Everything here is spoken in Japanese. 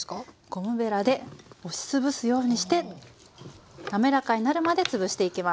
ゴムべらで押し潰すようにして滑らかになるまで潰していきます。